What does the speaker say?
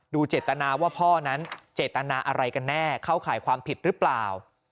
เจตนาว่าพ่อนั้นเจตนาอะไรกันแน่เข้าข่ายความผิดหรือเปล่า